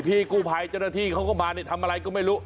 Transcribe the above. พี่กู้ภัยเจ้าหน้าที่เขาก็มาทำอะไรก็ไม่รู้